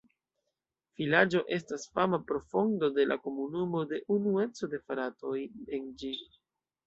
Vilaĝo estas fama pro fondo de la komunumo de "Unueco de fratoj" en ĝi.